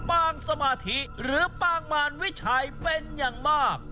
สมาธิหรือปางมารวิชัยเป็นอย่างมาก